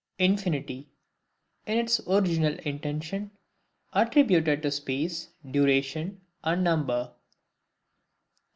Infinity, in its original Intention, attributed to Space, Duration, and Number.